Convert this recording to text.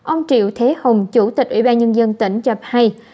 ông triệu thế hùng chủ tịch ủy ban nhân dân tỉnh cho hay